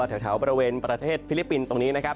แถวบริเวณประเทศฟิลิปปินส์ตรงนี้นะครับ